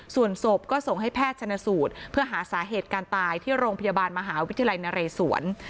ส่วนศพก็ส่งให้แพทย์ชนสูตรเพื่อหาสาเหตุการตายที่โรงพยาบาลมหาวิทยาลัยนเรศวร